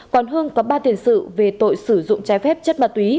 còn hưng có ba tiền sự về tội sử dụng trái phép chất ma túy